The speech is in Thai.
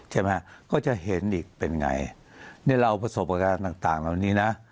ฮก็จะเห็นอีกเป็นไงนี่เราเอาประสบการณ์ต่างแบบนี้นะ